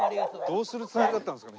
どうするつもりだったんですか？